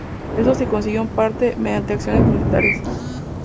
Esto se consiguió en parte, mediante acciones militares.